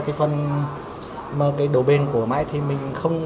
đầu bền của máy thì mình không